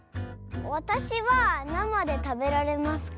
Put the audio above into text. わたしはなまでたべられますか？